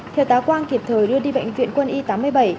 thiếu tá quang kịp thời đưa đi bệnh viện quân y tám mươi bảy